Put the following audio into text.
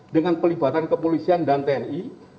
dengan pelibatan kepolisian dan tni